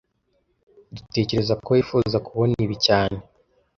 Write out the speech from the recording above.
Dutekereza ko wifuza kubona ibi cyane